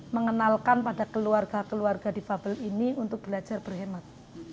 mengenalkan pada keluarga keluarga difabel ini untuk belajar berhemat